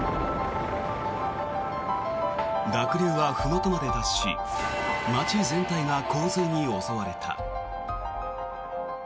濁流はふもとまで達し街全体が洪水に襲われた。